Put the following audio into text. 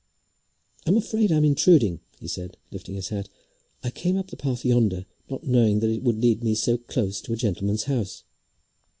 "I'm afraid I'm intruding," he said, lifting his hat. "I came up the path yonder, not knowing that it would lead me so close to a gentleman's house."